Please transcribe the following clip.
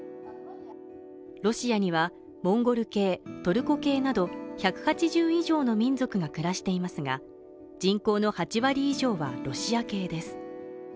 ロシアにはモンゴル系、トルコ系など１８０以上の民族が暮らしていますが人口の８割以上はロシア系です